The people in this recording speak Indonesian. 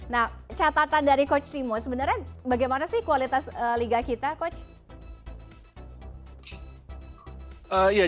nah catatan dari coach timo sebenarnya bagaimana sih kualitas liga kita coach